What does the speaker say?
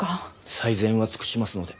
最善は尽くしますので。